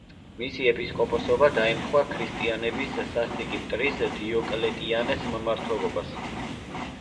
მისი ეპისკოპოსობა დაემთხვა ქრისტიანების სასტიკი მტრის დიოკლეტიანეს მმართველობას.